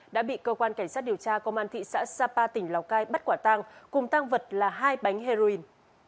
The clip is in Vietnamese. đã bị cơ quan cảnh sát điều tra công an thị xã sapa tỉnh lào cai bắt quả tăng cùng tăng vật là hai bánh heroin